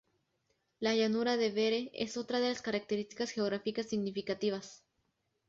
La llanura de Vere es otra de las características geográficas significativas.